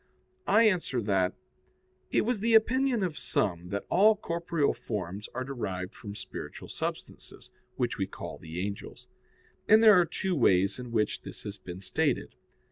I answer that, It was the opinion of some that all corporeal forms are derived from spiritual substances, which we call the angels. And there are two ways in which this has been stated.